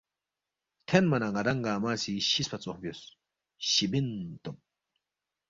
تھینما نہ ن٘دانگ گنگمہ سی شِسفا ژوخ بیوس، شِبین توب